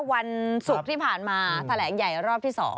วันศุกร์ที่ผ่านมาแถลงใหญ่รอบที่๒